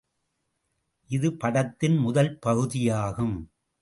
இது படத்தின் முதல் பகுதியாகும்.